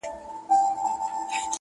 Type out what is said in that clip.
په سجدو خو مې زهد تندې رامات کړو